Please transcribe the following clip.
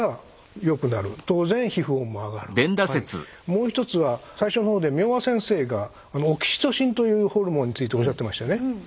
もう一つは最初の方で明和先生がオキシトシンというホルモンについておっしゃってましたよね。